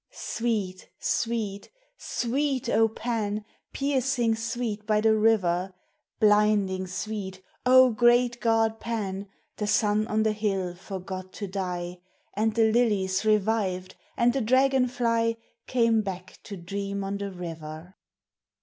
Sweet, sweet, sweet, O Pan, Piercing sweet by the river ! Blinding sweet, O great god Pan ! The sun on the hill forgot to die, And the lilies revived, and the dragon fly Came back to dream on the river.